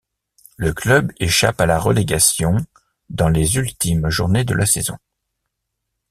Le club échappe à la relégation dans les ultimes journées de la saison.